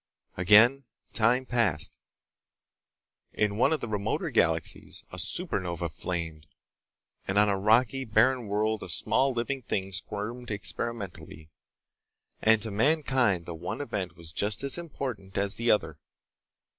Again time passed. In one of the remoter galaxies a super nova flamed, and on a rocky, barren world a small living thing squirmed experimentally—and to mankind the one event was just as important as the other.